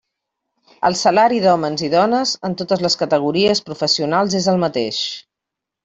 El salari d'hòmens i dones en totes les categories professionals és el mateix.